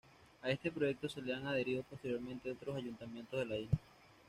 A este proyecto se le han adherido posteriormente otros ayuntamientos de la isla.